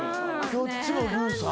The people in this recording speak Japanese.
どっちもルーさん。